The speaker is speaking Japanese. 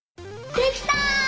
できた！